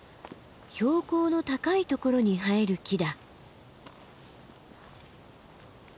標高の高いところに生える木だ。